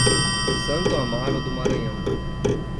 Santo Amaro do Maranhão